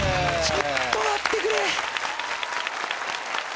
ちょっと待ってくれ。